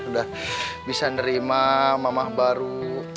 udah bisa nerima mamah baru